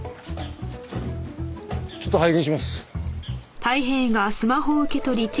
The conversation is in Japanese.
ちょっと拝見します。